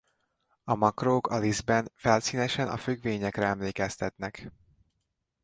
A makrók a Lispben felszínesen a függvényekre emlékeztetnek.